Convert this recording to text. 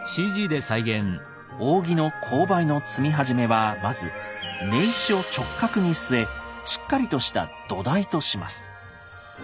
扇の勾配の積み始めはまず根石を直角に据えしっかりとした土台とします。